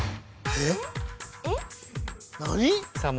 えっ？